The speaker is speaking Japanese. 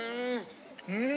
うん。